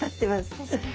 確かに。